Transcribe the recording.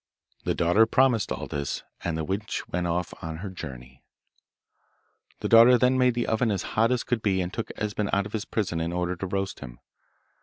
The daughter promised all this, and the witch went off on her journey. The daughter then made the oven as hot as could be, and took Esben out of his prison in order to roast him.